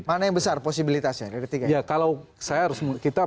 mana yang besar posibilitasnya